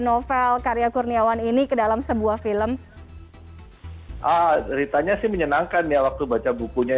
novel karya kurniawan ini ke dalam sebuah film beritanya sih menyenangkan ya waktu baca bukunya